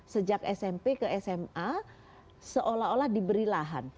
sejak smp ke sma seolah olah diberi lahan